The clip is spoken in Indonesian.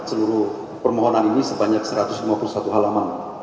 seluruh permohonan ini sebanyak satu ratus lima puluh satu halaman